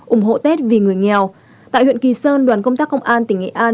ủng hộ tết vì người nghèo tại huyện kỳ sơn đoàn công tác công an tỉnh nghệ an